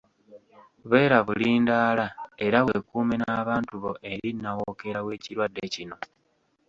Beera bulindaala era weekuume n’abantu bo eri nnawookeera w’ekirwadde kino.